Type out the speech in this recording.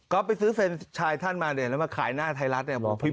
ก็ไปซื้อเฟรนชายท่านมาเนี่ยแล้วมาขายหน้าไทยรัฐเนี่ย